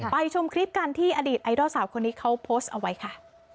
ชมคลิปกันที่อดีตไอดอลสาวคนนี้เขาโพสต์เอาไว้ค่ะ